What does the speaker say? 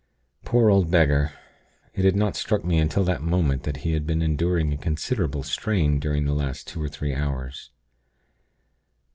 Poor old beggar! It had not struck me until that moment that he had been enduring a considerable strain during the last two or three hours.